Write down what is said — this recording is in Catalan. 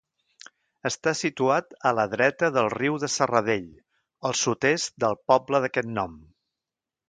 Està situat a la dreta del riu de Serradell, al sud-est del poble d'aquest nom.